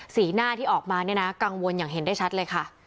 สีหน้าที่ออกมาเนี่ยนะกังวลอย่างเห็นได้ชัดเลยค่ะ